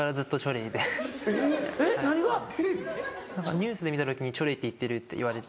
・ニュースで見た時にチョレイって言ってるって言われて。